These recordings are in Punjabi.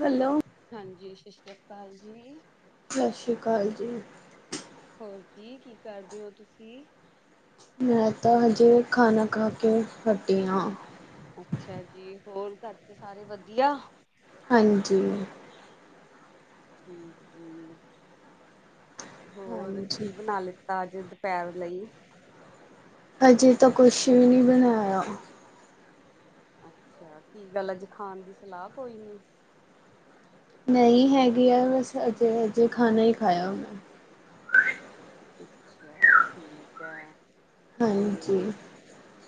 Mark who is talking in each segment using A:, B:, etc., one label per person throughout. A: ਹੈਲੋ
B: ਹਾਂਜੀ, ਸਤਿ ਸ੍ਰੀ ਅਕਾਲ ਜੀ।
A: ਕਾਲ ਜੀ।
B: ਹੋਰ ਜੀ, ਕੀ ਕਰਦੇ ਹੋ ਤੁਸੀਂ?
A: ਮੈਂ ਤਾਂ ਹਜੇ ਖਾਣਾ ਖਾ ਕੇ ਹਟੀ ਹਾਂ।
B: ਅੱਛਾ ਜੀ, ਹੋਰ ਘਰ ਚ ਸਾਰੇ ਵਧੀਆ?
A: ਹਾਂਜੀ।
B: ਠੀਕ ਜੀ, ਹੋਰ
A: ਹਾਂਜੀ
B: ਕੀ ਬਣਾ ਲਿੱਤਾ ਅੱਜ? ਪੈਰ ਲਈ?
A: ਹਜੇ ਤਾਂ ਕੁਛ ਵੀ ਨਹੀਂ ਬਣਾਇਆ।
B: ਅੱਛਾ, ਕੀ ਗੱਲ ਅੱਜ ਖਾਨ ਦੀ ਸਲਾਹ ਕੋਈ ਨੀ?
A: ਨਹੀਂ ਹੈਗੀ ਆ ਬਸ ਅਜੇ-ਅਜੇ ਖਾਣਾ ਹੀ ਖਾਇਆ ਹੁਨੇ।
B: ਅੱਛਾ, ਠੀਕ ਹੈ।
A: ਹਾਂਜੀ
B: ਤੇ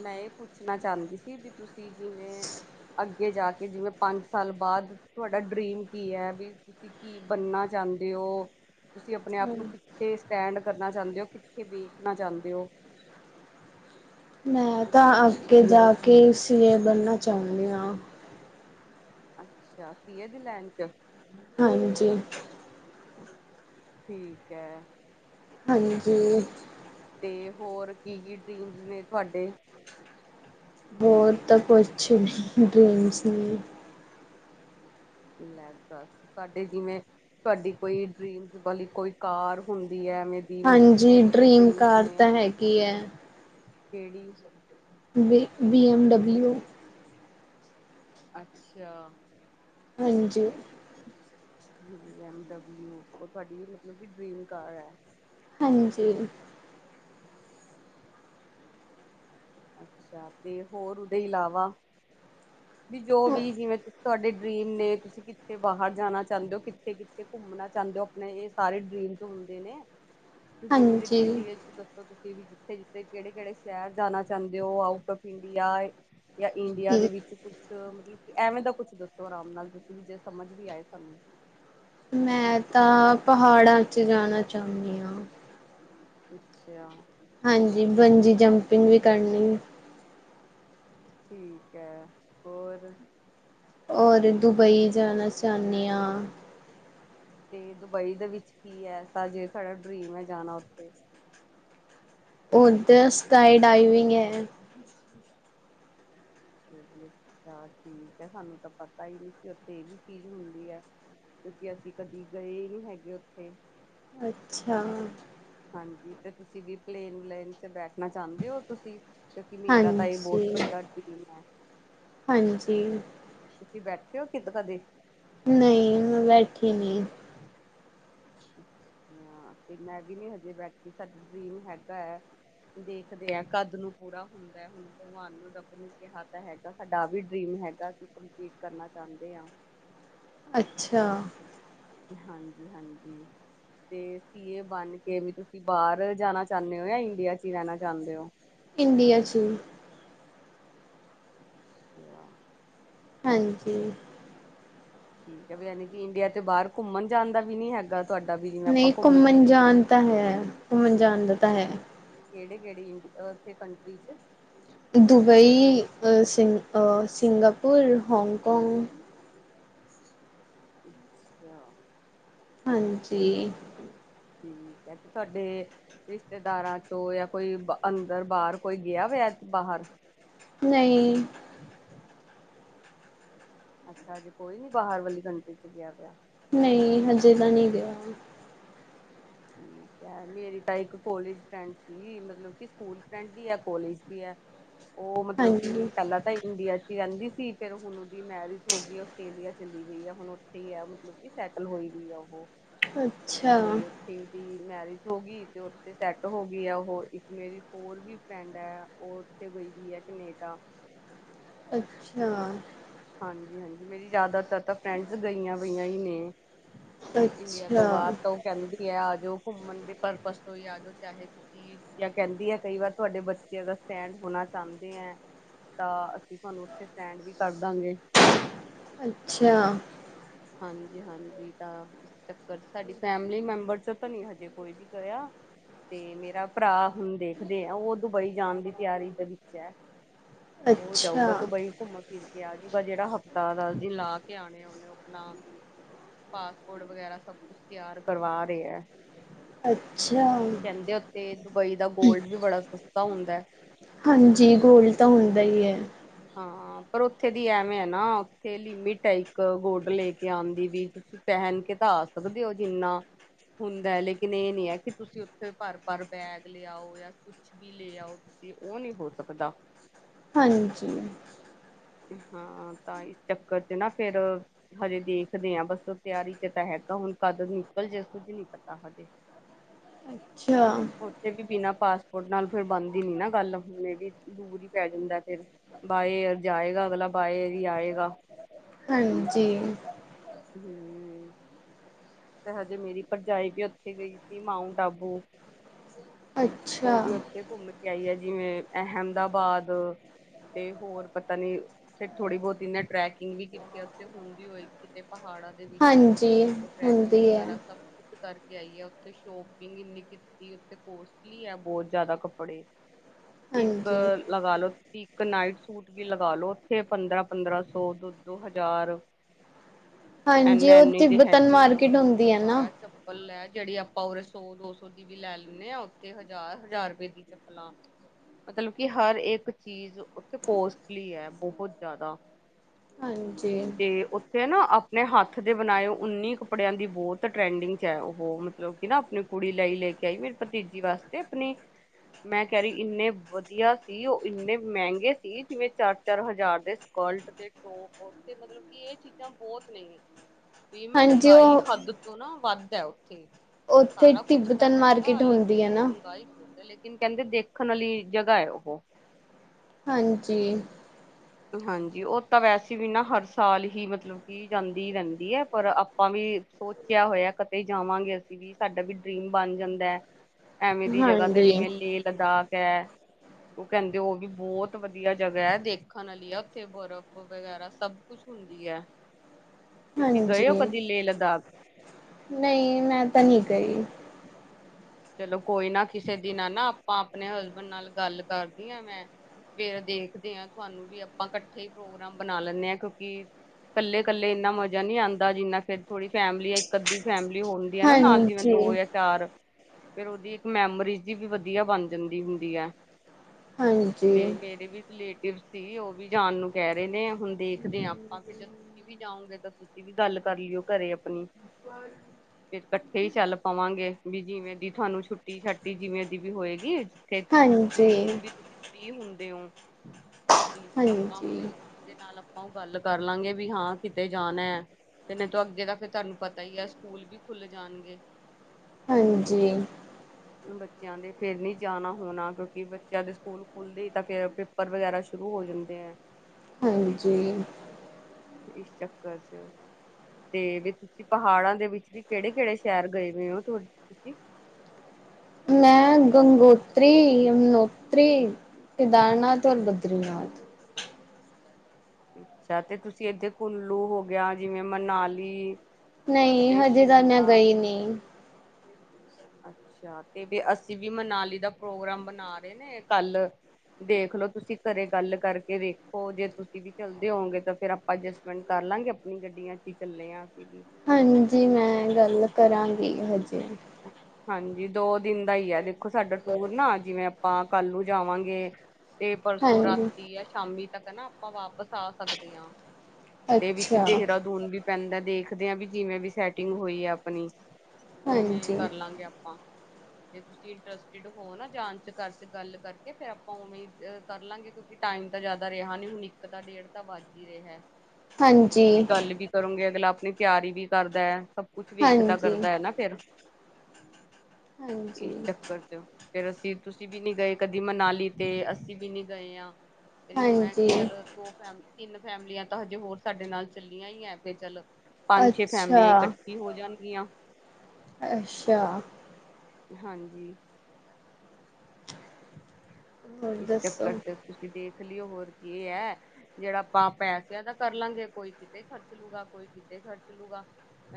B: ਮੈਂ ਏ ਪੁੱਛਣਾ ਚਾਹੁੰਦੀ ਸੀ ਵੀ ਤੁਸੀਂ ਜਿਵੇਂ ਅੱਗੇ ਜਾ ਕੇ ਜਿਵੇਂ ਪੰਜ ਸਾਲ ਬਾਅਦ ਤੁਹਾਡਾ ਡਰੀਮ ਕੀ ਹੈ? ਵੀ ਤੁਸੀਂ ਕੀ ਬਣਨਾ ਚ ਚਾਂਦੇ ਹੋ? ਤੁਸੀਂ ਆਪਣੇ ਆਪ ਨੂੰ ਕਿੱਥੇ ਸਟੈਂਡ ਚਾਹਦੇ ਹੋ? ਕਿੱਥੇ ਵੀ ਵੇਖਣਾ ਚਾਹੁੰਦੇ ਹੋ?
A: ਮੈਂ
B: ਤੁਸੀਂ
A: ਤਾਂ
B: ਦੱਸੋਗੇ?
A: ਆਗੇ ਜਾ ਕੇ ਸੀ ਏ ਬਣਨਾ ਚਾਹੁੰਣੀ ਹਾਂ।
B: ਅੱਛਾ, ਸੀ ਏ ਦੀ ਲਾਈਨ ਚ?
A: ਹਾਂਜੀ।
B: ਠੀਕ ਹੈ।
A: ਹਾਂਜੀ।
B: ਤੇ ਹੋਰ ਕੀ-ਕੀ ਡ੍ਰਰੀਮਸ ਨੇ ਤੁਹਾਡੇ?
A: ਬਹੁਤ ਕੁੱਛ ਡਰੀਮਸ ਨੇ।
B: ਲੈ ਦਸ, ਤੁਹਾਡੇ ਜਿਵੇਂ ਤੁਹਾਡੀ ਕੋਈ ਡ੍ਰੀਮਸ ਵਾਲੀ ਕੋਈ ਕਾਰ ਹੁੰਦੀ ਹੈ। ਐਵੇਂ ਦੀ ਮਤਲਬ ਕਿ
A: ਹਾਂਜੀ!
B: ਐਵੇਂ ਦੇ
A: ਡਰੀਮ
B: ਡਰੀਮਸ
A: ਕਾਰ
B: ਨੇ
A: ਤਾਂ ਹੈਗੀ ਹੈ।
B: ਕਿਹੜੀ?
A: ਬੀ, ਬੀ- ਅਮ-ਡਬਲਯੂ
B: ਅੱਛਾ।
A: ਹੰਜੀ।
B: ਬੀ-ਐਮ- ਡਬਲਯੁ ਉਹ ਤੁਹਾਡੀ ਮਤਲਬ ਕੀ ਡ੍ਰੀਮ ਕਾਰ ਐ।
A: ਹਾਂਜੀ।
B: ਅੱਛਾ। ਤੇ ਹੋਰ ਉਹਦੇ ਇਲਾਵਾ? ਵੀ ਜੋ ਵੀ! ਜਿਵੇਂ ਤੁਹਾਡੇ ਡਰੀਮ ਨੇ। ਤੁਸੀਂ ਕਿੱਥੇ ਬਾਹਰ ਜਾਣਾ ਚਾਹੁੰਦੇ ਹੋ? ਕਿੱਥੇ ਕਿੱਥੇ ਘੁੰਮਣਾ ਚਾਹੁੰਦੇ ਹੋ? ਆਪਣੇ ਇਹ ਸਾਰੇ ਡਰੀਮ ਿੰਗ ਹੁੰਦੇ ਨੇ! [inaudible] ਤੁਸੀ ਮੁਝੇ
A: ਹਾਂਜੀ।
B: ਡਿਟੇਲ ਚ ਦੱਸੋ ਤੁਸੀਂ ਜਿਥੇ ਜਿਥੇ ਕਿਹੜੇ ਕਿਹੜੇ ਸ਼ਹਿਰ ਜਾਣਾ ਚੰਦੇ ਹੌ ਆਊਟ ਆਫ ਇੰਡੀਆ ਜਾਂ ਇੰਡੀਆ ਦੇ ਵਿੱਚ ਕੁਛ ਮਤਲਬ ਐਵੇਂ ਦਾ ਕੁਛ ਦੱਸੋ ਆਰਾਮ ਨਾਲ ਤੁਸੀਂ। ਵੀ ਜੇ ਸਮਝ ਵੀ ਆਏ ਸਾਨੂੰ।
A: ਮੈਂ ਤਾਂ ਪਹਾੜਾਂ ਚ ਆਣਾ ਚਾਹੁਨੀ ਆ।
B: ਅੱਛਾ।
A: ਹਾਂਜੀ, ਬੰਜੀ ਜੰਪਿੰਗ ਵੀ ਕਰਨੀ।
B: ਠੀਕ ਹੈ। ਹੋਰ?
A: ਔਰ ਦੁਬਈ ਜਾਣਾ ਚਾਹਣੀ ਹਾਂ।
B: ਤੇ ਦੁਬਈ ਦੇ ਵਿੱਚ ਕੀ ਏ ਐਸਾ ਜੇ ਤੁਹਾਡਾ ਡਰੀਮ ਹੈ ਜਾਣਾ ਉੱਥੇ।
A: ਉੱਧਰ ਸਕਾਈ ਡਾਈਵਿੰਗ ਐ।
B: ਤਾਂ ਠੀਕ ਐ। ਸਾਨੂੰ ਤਾਂ ਪਤਾ ਹੀ ਨਹੀਂ ਸੀ। ਉੱਥੇ ਇਹ ਵੀ ਚੀਜ਼ ਹੁੰਦੀ ਐ। ਕਿਉਕੀ ਅਸੀਂ ਕਦੀ ਗਏ ਹੀ ਨਹੀਂ ਹੈਗੇ ਉੱਥੇ।
A: ਅੱਛਾ।
B: ਹਾਂਜੀ ਤੇ ਤੁਸੀਂ ਵੀ ਪਲੇਨ ਵਲੇਨ ਚ ਬੈਠ ਨਾ ਚਾਹੁੰਦੇ ਹੋ ਤੁਸੀਂ ਕਿਉਂਕਿ ਮੇਰਾ ਤਾਂ ਇਹ ਬਹੁਤ
A: ਹਾਂਜੀ,
B: ਵੱਡਾ ਡਰੀਮ ਐ।
A: ਹਾਂਜੀ।
B: ਤੁਸੀਂ ਬੈਠੇ ਹੋ ਕਿਤ ਕਦੇ?
A: ਨਈ, ਮੈਂ ਬੈਠੀ ਨੀ।
B: ਅੱਛਾ ਤੇ ਮੈਂ ਵੀ ਨੀ ਹਜੇ ਬੈਠੀ ਸਾਡਾ ਡਰੀਮ ਹੈਗਾ ਐ। ਦੇਖਦੇ ਆ ਕਦ ਨੂੰ ਪੂਰਾ ਹੁੰਦਾ। ਹੁਣ ਭਗਵਾਨ ਨੂੰ ਰੱਬ ਨੂੰ ਕਿਹਾ ਤਾਂ ਹੈਗਾ ਸਾਡਾ ਆ ਵੀ ਡਰੀਮ ਹੈਗਾ। ਅਸੀਂ ਕੰਪਲੀਟ ਕਰਨਾ ਚਾਦੇ ਆਂ।
A: ਅੱਛਾ।
B: ਹਾਂਜੀ, ਹਾਂਜੀ। ਤੇ ਸੀਏ ਬਣ ਕੇ ਵੀ ਤੁਸੀਂ ਬਾਹਰ ਜਾਣਾ ਚਾਹੁੰਦੇ ਹੋ ਜਾਂ ਇੰਡੀਆ ਚ ਹੀ ਰਹਿਣਾ ਚਾਹੁੰਦੇ ਹੋ।
A: ਇੰਡੀਆ ਚ।
B: ਅੱਛਾ। [inaudible]
A: ਹਾਂਜੀ।
B: ਠੀਕ ਹੈ ਵੀ ਯਾਨੀ ਕਿ ਇੰਡੀਆ ਤੋਂ ਬਾਹਰ ਘੁੰਮਣ ਜਾਣ ਦਾ ਵੀ ਨੀ ਹੈਗਾ। ਤੁਹਾਡਾ ਵੀ ਜਿਵੇਂ ਆਪਾਂ
A: ਨਹੀਂ
B: ਘੁੰਮ ਕੇ
A: ਘੁੰਮਣ
B: ਆਈਏ।
A: ਜਾਣ ਤਾਂ ਹੈ ਘੁੰਮਣ ਜਾਣ ਦਾ ਤਾਂ ਹੈ।
B: ਕਿਹੜੇ ਕਿਹੜੇ ਇੰਡੀ ਅ ਥੇ ਕੰਟਰੀ ਚ?
A: ਦੁਬਈ, ਅ ਸਿੰਘ ਅ, ਸਿੰਗਾਪੁਰ, ਹੋਂਗਕੋਂਗ।
B: ਅੱਛਾ।
A: ਹਾਂਜੀ।
B: ਠੀਕ ਐ ਤੇ ਤੁਹਾਡੇ ਰਿਸ਼ਤੇਦਾਰਾਂ ਚੋਂ ਯਾ ਕੋਈ ਅੰਦਰ ਬਾਹਰ ਕੋਈ ਗਿਆ ਹੋਇਆ? ਬਾਹਰ।
A: ਨਈ।
B: ਅੱਛਾ, ਅਜੇ ਕੋਈ ਨੀ ਬਾਹਰ ਵਾਲੀ ਕੰਟਰੀ ਚ ਗਿਆ ਹੋਇਆ।
A: ਨਈ, ਹਜੇ ਤਾਂ ਨਈ ਗਿਆ।
B: ਹੂੰ। [inaudible] ਮੇਰੀ ਤਾਂ ਇੱਕ ਕੋਲੇਜ ਫਰੈਂਡ ਸੀ ਮਤਲਬ ਕਿ ਸਕੂਲ ਫਰੈਂਡ ਵੀ ਐ ਕੋਲੇਜ ਵੀ ਐ। ਉਹ ਮਤਲਬ ਕਿ
A: ਹਾਂਜੀ,
B: ਪਹਿਲਾਂ ਤਾਂ ਇੰਡੀਆ ਚ ਰਹਿੰਦੀ ਸੀ, ਫੇਰ ਹੁਣ ਉਹਦੀ ਮੈਰਿਜ ਹੋ ਗਈ, ਆਸਟ੍ਰੇਲੀਆ ਚਲੀ ਗਈ ਹੈ, ਹੁਣ ਉੱਥੇ ਈ ਹੈ ਮਤਲਬ ਕਿ ਸੈਟਲ ਹੋਈ। ਜਿਹੜੀ ਆ ਉਹ।
A: ਅੱਛਾ।
B: ਦੀ ਮੈਰਿਜ ਹੋ ਗਈ ਤੇ ਉੱਥੇ ਸੈਟ ਹੋ ਗਈ ਐ ਉਹ ਇੱਕ ਮੇਰੀ ਹੋਰ ਵੀ ਫਰੈਂਡ ਐ ਉਹ। ਉੱਥੇ ਗਈ ਵੀ ਹੈ ਕਨੇਡਾ।
A: ਅੱਛਾ।
B: ਹਾਂਜੀ-ਹਾਂਜੀ, ਮੇਰੀ ਜ਼ਿਆਦਾਤਰ ਤਾਂ ਫਰੈਂਡਸ ਗਈਆਂ ਵਈਆਂ ਨੇ। ਇੰਡੀਆ ਤੋਂ
A: ਅੱਛਾ।
B: ਬਾਹਰ ਤਾਂ ਉਹ ਕਹਿੰਦੀ ਹੈ ਆ ਜੋ ਘੁੰਮਣ ਦੇ ਪਰਪਸ ਯਾਦ ਹੋ ਚਾਹੇ ਤੁਸੀਂ ਜਾਂ ਕਹਿੰਦੀ ਆ ਕਈ ਵਾਰ ਤੁਹਾਡੇ ਬੱਚਿਆਂ ਦਾ ਸਟੈਂਡ ਹੋਣਾ ਚਾਹੁਦੇ ਐ। ਤਾਂ ਅਸੀਂ ਤੁਹਾਨੂੰ ਉੱਥੇ ਸਟੈਂਡ ਵੀ ਕਰਦਾਂਗੇ।
A: ਅੱਛਾ।
B: ਹਾਂਜੀ, ਹਾਂਜੀ, ਤਾਂ ਇਸ ਚੱਕਰ ਚ ਸਾਡੀ ਫੈਮਲੀ ਮੈਂਬਰ ਚ ਤਾਂ ਨ ਹਜੇ ਕੋਈ ਵੀ ਗਿਆ। ਤੇ ਮੇਰਾ ਭਰਾ ਹੁਣ ਦੇਖਦੇ ਆ ਉਹ ਦੁਬਈ ਜਾਣ ਦੀ ਤਿਆਰੀ ਦੇ ਵਿੱਚ ਹੈ। ਔ ਜਾਉਗਾ
A: ਅੱਛਾ,
B: ਦੁਬਈ ਘੁੰਮ ਫਿਰ ਕੇ ਆਉਗਾ ਜਿਹੜਾ ਹਫਤਾ ਨਾਲ ਜੀ ਲਾ ਕੇ ਆਣੇ। ਨਾ, ਪਾਸਪੋਟ ਵਗੈਰਾ ਸਭ ਕੁਝ ਤਿਆਰ ਕਰਵਾ ਰਿਆ।
A: ਅੱਛਾ।
B: ਕਹਿੰਦੇ ਉਥੇ ਦੁਬਈ ਦਾ ਗੋਲਡ ਵੀ ਬੜਾ ਸਸਤਾ ਹੁੰਦਾ।
A: ਹਾਂਜੀ ਗੋਲਡ ਤਾਂ ਹੁੰਦਾ ਐ।
B: ਹਾਂ, ਪਰ ਉੱਥੇ ਦੀ ਐਵੇਂ ਐ ਨਾ ਉਥੇ ਟਾਈਪ ਲੇਕੇ ਆਦੀ ਤੀ, ਆ ਸਕਦੇ ਹੋ ਜਿੰਨਾ, ਹੁੰਦਾ ਲੇਕਿਨ ਇਹ ਨਹੀਂ ਹੈ ਕਿ ਤੁਸੀਂ ਉੱਥੇ ਭਰ-ਭਰ ਬੈਨ ਲਿਆਓ ਜਾਂ ਉਹ ਨਹੀਂ ਹੋ ਸਕਦਾ।
A: ਹਾਂਜੀ,
B: ਤਾ ਚੱਕਰ ਸੀ ਨਾ ਫਿਰ ਹਜੇ ਦੇਖਦੇ ਆਂ ਬਸੋ ਤਿਆਰੀ ਚ ਤਾਂ, ਬਸ ਤੁਸੀ ਨਿਕਲੇ ਜਾਓ ਕੁਛ ਨਹੀਂ ਪਤਾ ਹਜੇ,
A: ਅੱਛਾ,
B: ਉੱਥੇ ਵੀ ਬਿਨਾਂ ਪਾਸ, ਨਾਲ ਫਿਰ ਬਣਦੀ ਨਹੀਂ ਨਾ ਗੱਲ ਮੇਰੀ ਪੈ ਜਾਂਦਾ ਫਿਰ ਬਾਏ, ਆਏਗਾ ਅਗਲਾ ਬਾਏ ਜੀ ਆਏਗਾ।
A: ਹਾਂਜੀ,
B: ਹੂੰ, ਤੇ ਹਜੇ ਮੇਰੀ ਭਰਜਾਈ ਵੀ ਉੱਥੇ ਗਈ ਸੀ ਮਾਊਂਟ ਆਪੋ,
A: ਅੱਛਾ।
B: ਉਹ ਵੀ ਓਹਦੇ ਗੁੰਮ ਕੇ ਆਈ ਏ ਹੈ। ਕਿਵੇਂ ਅਹਿਮਦਾਬਾਦ ਤੇ ਹੋਰ ਪਤਾ ਨਹੀਂ ਸਿਰਫ ਥੋੜੀ ਬਹੁਤੀ ਨ ਬਰੈਕਿੰਗ ਵੀ ਕੀਤੀ ਹੋਈ ਤੇ,
A: ਹਾਂਜੀ, ਹੁੰਦੀ ਹੈ,
B: ਵਗੈਰਾ ਸਭ ਕੁ ਕਰਕੇ ਆਈ ਆ ਉੱਤੇ ਸ਼ੋਪਿੰਗ ਕੀਤੀ ਉੱਤੇ ਪੋਸਟ ਨਹੀਂ ਐ ਬਹੁਤ ਜਿਆਦਾ। ਇੱਕ
A: ਹਾਂਜੀ।
B: ਲਗਾ ਲਓ ਤੁਸੀਂ, ਕਨਾਡ ਸੂਟ ਵੀ ਲਗਾ ਲਓ ਉੱਥੇ ਪੰਦਰਾ-ਪੰਦਰਾ ਸੋ ਪੰਚੀ ਹਜਾਰ,
A: ਹਾਂਜੀ ਉਥੇ ਵਤਨ ਮਾਰਕੀਟ,
B: ਮੈਨੂੰ
A: ਹੁੰਦੀ ਹੈ ਨਾ।
B: ਦਿਖਾਇਆ ਚੰਬਲ ਲੈ, ਜਿਹੜੀ ਆਪਾਂ ਉਹ ਰਸੂ ਦੋਸੋ ਦੀ ਵੀ ਲੈ ਲੈਦੇ ਆ ਉੱਤੇ ਹਜ਼ਾਰ ਹਜਾਰ ਰੁਪਏ ਦੀ ਲਾ, ਮਤਲਬ ਕਿ ਹਰ ਇਕ ਚੀਜ਼ ਉਥੇ ਕੋਸਟਲੀ ਐ ਬਹੁਤ ਜਿਆਦਾ,
A: ਹਾਂਜੀ
B: ਤੇ ਉੱਤੇ ਨਾ ਆਪਣੇ ਹੱਥ ਦੇ ਬਣਾਏ ਉਨੀ, ਫੜਿਆਂ ਦੀ ਬਹੁਤ ਟਰੈਂਡਿੰਗ ਚ ਐ ਉਹ ਮਤਲਬ ਕਿ ਨਾ ਆਪਣੀ ਕੁੜੀ ਲਈ ਲੈ ਕੇ ਆਈ ਫਿਰ ਭਤੀਜੀ ਵਾਸਤੇ ਆਪਣੇ ਮੈਂ ਕਹਿ ਰਹੀ ਇੰਨੇ ਵਧੀਆ ਸੀ ਉਹ ਇੰਨੇ ਮਹਿੰਗੇ ਸੀ ਜਿਵੇਂ ਚਾਰ-ਚਾਰ ਹਜ਼ਾਰ ਦੇ, ਫਾਲਟ ਦੇ ਮਤਲਬ ਕਿ ਇਹ ਚੀਜ਼ਾਂ ਬਹੁਤ ਨੇ, ਵੀ
A: ਹਾਂਜੀ
B: ਮਹਿੰਗਾਈ
A: ਉਹ
B: ਹੱਦ ਤੋਂ ਨਾ ਵੱਧ ਐ ਉਥੇ
A: ਉੱਥੇ
B: ਸਾਰਾ ਕੁਛ ਤਾਂ
A: ਤਿੱਬਤਨ
B: ਹੈਗਾ
A: ਮਾਰਕੀਟ ਹੁੰਦੀ ਹੈ
B: ਲੇਕਿਨ
A: ਨਾ
B: ਚੰਗਾਈ ਲੇਕਿਨ ਕਹਿੰਦੇ ਦੇਖਣ ਵਾਲੀ ਜਗ੍ਹਾ ਐ ਉਹ
A: ਹਾਂਜੀ,
B: ਹਾਂਜੀ ਉਹ ਤਾਂ ਵੈਸੇ ਵੀ ਨਾ ਹਰ ਸਾਲ ਹੀ ਮਤਲਬ ਕੀ ਜਾਂਦੀ ਰਹਿੰਦੀ ਹ ਪਰ ਆਪਾਂ ਵੀ ਸੋਚਿਆ ਹੋਇਆ ਕਦੇ ਜਾਵਾਂਗੇ ਅਸੀਂ ਵੀ ਸਾਡਾ ਵੀ ਡਰੀਮ ਬਣ ਜਾਂਦਾ। ਐਵੇਂ ਦੀ ਜਗ੍ਹਾ ਤੇ
A: ਹਾਂਜੀ
B: ਜਿਵੇਂ ਲੇ ਲਗਾ। ਉਹ ਕਹਿੰਦੇ ਹੋ ਗਈ ਬਹੁਤ ਵਧੀਆ ਜਗਹਾ ਹ ਦੇਖ ੱਖਣੀ ਆ ਉੱਥੇ ਬਰਫ਼ ਵਗੈਰਾ ਸਭ ਕੁਛ ਹੁੰਦੀ ਹੈ। ਤੁਸੀਂ
A: ਹਾਂਜੀ
B: ਗਏ ਹੋ ਕਦੀ ਲੇਹ ਲਦਾਖ
A: ਨਹੀਂ ਮੈਂ ਤਾਂ ਨਹੀਂ ਕਹੀ।
B: ਚਲੋ ਕੋਈ ਨਾ ਕਿਸੇ ਦੀ ਨਾ ਨਾ ਆਪਾਂ ਆਪਣੇ ਹਸਬੈਂਡ ਨਾਲ ਗੱਲ ਕਰਦੀ ਆ ਮੈਂ। ਫਿਰ ਦੇਖਦੇ ਆਂ ਤੁਹਾਨੂੰ ਵੀ ਆਪਾਂ ਇਕੱਠੇ ਪ੍ਰੋਗਰਾਮ ਬਣਾ ਲੈਦੇ ਆ ਕਿਉਂਕਿ ਕੱਲੇ ਕੱਲੇ ਇੰਨਾ ਮਜ਼ਾ ਨਹੀਂ ਆਉਂਦਾ ਜਿੰਨਾ ਚਿਰ ਥੋੜੀ ਫੈਮਲੀ ਇੱਕ ਅੱਧੀ ਫੈਮਲੀ। ਜੋ ਹੁੰਦੀ ਹ ਨਾ ਨਾਲ ਜਿਵੇਂ
A: ਹਾਂਜੀ
B: ਦੋ ਜਾਂ ਚਾਰ ਵਿਰੋਧੀ ਇੱਕ ਮੈਂਬਰੀ ਸੀ ਵੀ ਵਧੀਆ ਬਣ ਜਾਂਦੀ ਹੁੰਦੀ।
A: ਹਾਂਜੀ
B: ਤੇ ਮੇਰੇ ਵੀ ਸਲੇਟੀ ਫ ਸੀ ਉਹ ਵੀ ਜਾਣ ਨੂੰ ਕਹਿ ਰਹੇ ਨੇ ਹੁਣ ਦੇਖਦੇ ਹਾਂ ਆਪਾਂ ਫ ਜਦ ਤੁਸੀਂ ਵੀ ਜਾਓਗੇ ਤਾਂ ਤੁਸੀਂ ਵੀ ਗੱਲ ਕਰ ਲਿਓ ਘਰੇ ਆਪਣੀ ਤੇ ਇਕੱਠੇ ਚੱਲ ਪਾਵਾਂਗੇ ਵੀ ਜਿਵੇਂ ਤੁਹਾਨੂੰ ਛੁੱਟੀ ਛਾਟੀ, ਜਿਵੇਂ ਦੀ ਵੀ ਹੋਏਗੀ, ਤੇ [inaudible]
A: ਹਾਂਜੀ
B: ਤੇ ਔ, ਤੁਸੀਂ ਪਾਂ
A: ਹਾਂਜੀ
B: ਫ੍ਰੀ ਹੋਣ ਦੇ ਨਾਲ ਔ ਗੱਲ ਕਰ ਲਾਂਗੇ ਵੀ, ਹਾਂ, ਕਿਤੇ ਜਾਣਾ। ਤੇ ਨਹੀਂ ਤੋਂ, ਅੱਗੇ ਤਾਂ ਫਿਰ ਤੁਹਾਨੂੰ ਪਤਾ ਹੀ ਆ, ਸਕੂਲ ਵੀ ਖੁੱਲ ਜਾਣਗੇ।
A: ਹਾਂਜੀ,
B: ਬੱਚਿਆਂ ਦੇ ਫੇਰ ਨੀ ਜਾਣਾ ਹੋਣਾ, ਕਿਉਂਕਿ ਬੱਚਿਆਂ ਦੇ ਸਕੂਲ ਖੁੱਲਦੇ, ਤਾਂ ਫੇਰ ਪੇਪਰ ਵਗੈਰਾ, ਸ਼ੁਰੂ ਹੋ ਜਾਂਦੇ ਐ
A: ਹਂਜੀ।
B: ਇਸ ਚੱਕਰ ਚ ਤੇ ਵਿਚ, ਤੁਸੀਂ ਪਹਾੜਾਂ ਦੇ ਵਿੱਚ ਵੀ ਕਿਹੜੇ ਕਿਹੜੇ ਸ਼ੈਰ ਗਏ ਹੋਏ ਹੋ? ਤੁਸੀਂ?
A: ਮੈਂ ਗੰਗੋਤਰੀ, ਯਮੁਨੋਤਰੀ, ਕੇਦਾਰਨਾਥ ਔਰ ਬਦਰੀਨਾਥ।
B: ਅੱਛਾ, ਤੇ ਤੁਸੀਂ ਇੱਥੇ ਕੁੱਲੂ ਹੋ ਗਿਆ, ਜਿਵੇਂ ਮਨਾਲੀ
A: ਨਹੀਂ,
B: ਤੇ
A: ਹਜੇ ਤਾਂ ਮੈਂ
B: ਸ਼ਿਮਲਾ
A: ਗਈ ਨਹੀਂ।
B: ਅੱਛਾ ਤੇ ਵੇ ਅਸੀਂ ਵੀ ਮਨਾਲੀ ਦਾ ਪ੍ਰੋਗਰਾਮ ਬਣਾ ਰਹੇ ਨੇ, ਕੱਲ ਦੇਖਲੋ ਤੁਸੀਂ, ਘਰੇ ਗੱਲ ਕਰਕੇ, ਵੇਖੋ ਜੇ ਤੁਸੀਂ ਵੀ ਚੱਲਦੇ ਹੋਂਗੇ ਤਾਂ ਫਿਰ ਅਪਾਂ ਅਜਸਟਮੈਂਟ ਕਰ ਲਾਂਗੇ, ਆਪਣੀ ਗੱਡੀਆਂ ਚ ਹੀ ਚੱਲੇ ਹਾਂ ਅਸੀਂ ਵੀ
A: ਹਂਜੀ, ਮੈਂ ਗੱਲ ਕਰਾਂਗੀ ਹਜੇ। ਵਧੀਆ
B: ਹਂਜੀ, ਦੋ ਦਿਨ ਦਾ ਹੀ ਹੈ, ਦੇਖੋ ਸਾਡਾ ਟੂਰ ਨਾ, ਜਿਵੇਂ ਅਪਾਂ ਕੱਲ ਨੂੰ ਜਾਵਾਂਗੇ ਤੇ ਪਰਸੋਂ
A: ਹਾਂਜੀ
B: ਰਾਤੀ ਯਾ ਸ਼ਾਮੀ ਤੱਕ ਨਾ, ਆਪਾਂ ਵਾਪਸ ਆ ਸਕਦੇ ਹਾਂ। ਤੇ ਵਿੱਚ
A: ਅੱਛਾ
B: ਦੇਹਰਾਦੂਨ ਵੀ ਪੈਂਦਾ। ਦੇਖਦੇ ਆ ਵੀ, ਜਿਵੇਂ ਵੀ ਸੈਟਿੰਗ ਹੋਈ ਆ ਆਪਣੀ। ਉਵੇਂ
A: ਹਂਜੀ।
B: ਕਰ ਲਾਂਗੇ ਅਪਾਂ। ਜੇ ਤੁਸੀਂ ਇੰਟਰਸਟਡ ਹੋ ਨਾ, ਜਾਣ ਚ ਘਰ ਚ ਗੱਲ ਕਰਕੇ, ਫੇਰ ਅਪਾਂ ਉਵੇਂ ਕਰ ਲਾਂਗੇ। ਟਾਈਮ ਤਾਂ ਜਿਆਦਾ ਰੇਹਾ ਨੀ। ਹੁਣ ਇੱਕ ਤਾਂ ਡੇਢ ਤਾਂ ਵੱਜ ਹੀ ਰੇਹਾ।
A: ਹਾਂਜੀ,
B: ਗੱਲ ਵੀ ਕਰੋਂਗੇ। ਅਗਲਾ ਆਪਣੀ ਤਿਆਰੀ ਵੀ ਕਰਦਾ ਹੈ ਕੁਛ ਵੇਖਦਾ,
A: ਹਾਂਜੀ,
B: ਕਰਦਾ ਹੈ ਨਾ, ਫਿਰ
A: ਹਾਂਜੀ,
B: ਇਸ ਚੱਕਰ ਚ। ਫਿਰ ਅਸੀ, ਤੁਸੀ ਵੀ ਨਹੀਂ ਗਏ ਕਦੀ ਮਨਾਲੀ, ਤੇ ਅਸੀ ਵੀ ਨੀ ਗਏਆਂ। ਮੈਨੂੰ ਇਹ ਹ ਕਿ
A: ਹਾਂਜੀ,
B: ਚਲੋ ਇੱਕ ਜਾਂ ਦੋ ਤਿੰਨ ਫੈਮਲੀ ਆ ਫੈਮਲੀਆਂ ਤਾਂ ਹਜੇ ਹੋਰ ਸਾਡੇ ਨਾਲ ਚੱਲੀਆਂ ਹੀ ਹੈ, ਤੇ ਚੱਲ ਪੰਜ, ਛੇ
A: ਅੱਛਾ,
B: ਫੈਮਲੀਆਂ ਇਕੱਠੀ ਹੋ ਜਾਣਗੀਆਂ
A: ਅੱਛਾ।
B: ਹਾਂਜੀ।
A: ਹੋਰ
B: ਇਸ
A: ਦੱਸੋ?
B: ਚੱਕਰ ਚ ਤੁਸੀਂ ਦੇਖ ਦੇਖ ਲਓ ਹੋਰ ਕੀ ਹੈ। ਜਿਹੜਾ ਅਪਾਂ ਪੈਸੇਆ ਦਾ ਕਰ ਲਾਂਗੇ। ਕੋਈ ਕਿਤੇ ਖਰਚ ਲੂਗਾ, ਕੋਈ ਕਿਤੇ ਖਰਚਲੂਗਾ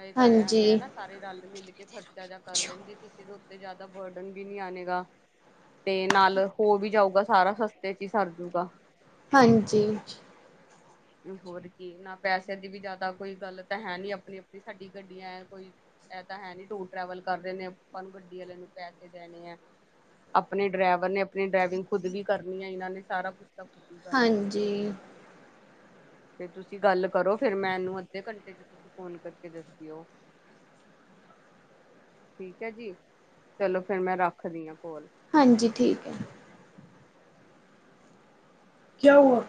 B: ਇਹ ਤਾਂ ਐਵੇ‌ ਹੈ
A: ਹਾਂਜੀ,
B: ਨਾ, ਸਾਰੇ ਰਲ ਮਿਲ ਕੇ ਖਰਚਾ ਜਾ ਕਰ ਲੈਣਗੇ ਕਿਸੇ ਉੱਤੇ ਜਾਦਾ ਬਰਡਨ ਵੀ ਨੀ ਆਣੇਗਾ, ਤੇ ਨਾਲ ਹੋ ਵੀ ਜਾਊ ਸਾਰਾ ਸਸਤੇ ਚ ਹੀ ਸਰਜੂਗਾ
A: ਹਾਂਜੀ।
B: ਹੋਰ ਕੀ, ਨਾ ਪੈਸੇ ਦੀ ਵੀ ਜ਼ਿਆਦਾ ਕੋਈ ਗੱਲ ਤਾਂ ਹੈ ਨੀ ਅਪਨੀ ਅਪਨੀ ਸਾਡੀ ਗੱਡੀਆਂ ਐ ਕੋਈ ਇਹ ਤਾਂ ਹੈ ਨੀ ਟੂਰ ਟਰੈਵਲ ਕਰ ਰਹੇ ਨੇ, ਅਪਾਂ ਨੂੰ ਗੱਡੀ ਅਲੇ ਨੂੰ ਪੈਸੇ ਦੇਣੇ ਐ। ਅਪਨੇ ਡਰਾਈਵਰ ਨੇ ਅਪਣੀ ਡਰਾਈਵਿੰਗ ਖੁੱਦ ਵੀ ਕਰਨੀ ਐ, ਇਹਨਾਂ ਨੇ ਸਾਰਾ ਕੁਛ ਤਾਂ ਹੀ ਕਰਨਾ
A: ਹਾਂਜੀ।
B: ਤੇ ਤੁਸੀਂ ਗੱਲ ਕਰੋ ਫਿਰ ਮੈਂਨੂੰ ਅੱਧੇ ਘੰਟੇ ਚ ਤੁਸੀਂ ਫ਼ੋਨ ਕਰਕੇ ਦਸੀਓ। ਠੀਕ ਹੈ ਜੀ, ਚਲੋ ਫਿਰ ਮੈਂ ਰੱਖਦੀ ਹ ਕੋਲ।
A: ਹਂਜੀ, ਠੀਕ ਹੈ। [unintelligible] ਕਿਆ ਹੋਆ